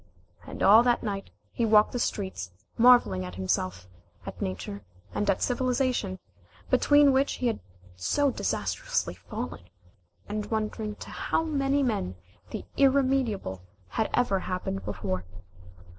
And all night, he walked the streets marvelling at himself, at Nature, and at Civilization, between which he had so disastrously fallen, and wondering to how many men the irremediable had ever happened before.